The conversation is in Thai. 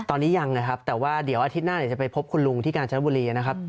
ตอนนี้ยังนะครับแต่ว่าเดี๋ยวอาทิตย์หน้าเดี๋ยวจะไปพบคุณลุงที่กาญจนบุรีนะครับ